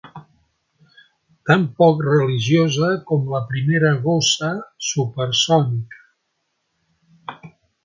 Tan poc religiosa com la primera gossa supersònica.